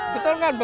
betul kan bu